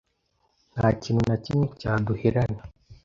nta kintu na kimwe cyaduherana